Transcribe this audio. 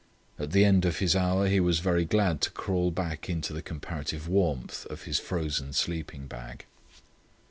At the end of his hour he was very glad to crawl back into the comparative warmth of his frozen sleeping bag.